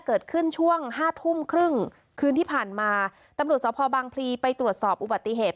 เกิดขึ้นช่วงห้าทุ่มครึ่งคืนที่ผ่านมาตำรวจสภบางพลีไปตรวจสอบอุบัติเหตุ